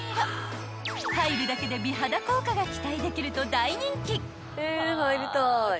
［入るだけで美肌効果が期待できると大人気］